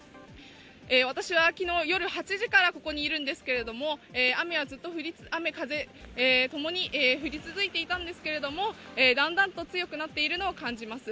私は昨日、夜８時からここにいるんですけど雨風ともに降り続いていたんですけれども、だんだんと強くなっているのを感じます。